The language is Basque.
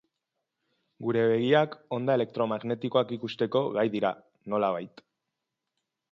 Gure begiak onda elektromagnetikoak ikusteko gai dira, nolabait.